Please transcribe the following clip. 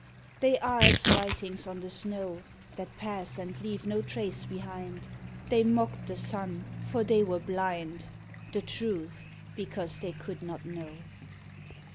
They are as writings on the snow, That pass and leave no trace behind ; They mocked the sun, for they were blind, The Truth, because they could not know.